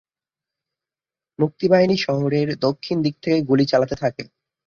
মুক্তিবাহিনী শহরের দক্ষিণ দিক থেকে গুলি চালাতে থাকে।